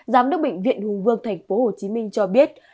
giám đốc bệnh viện hùng vương tp hcm cho biết